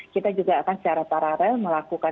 kita juga akan secara paralel melakukan